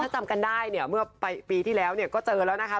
ถ้าจำกันได้เนี่ยเมื่อปีที่แล้วก็เจอแล้วนะคะ